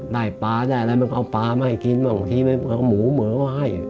ได้ปลาได้แล้วมันเอาปลามาให้กินบ่างทีมันเอาหมูเหมืองว่าให้